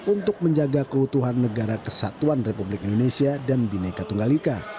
untuk menjaga keutuhan negara kesatuan republik indonesia dan bineka tunggal ika